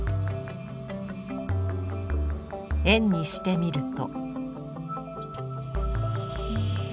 円にしてみると？